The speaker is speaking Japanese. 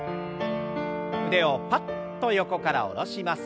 腕をパッと横から下ろします。